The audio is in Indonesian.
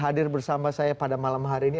hadir bersama saya pada malam hari ini